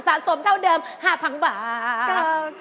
สมเท่าเดิม๕๐๐๐บาท